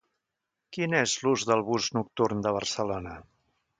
Quin és l'ús del bus nocturn de Barcelona?